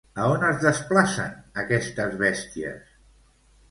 A on es desplacen aquestes bèsties?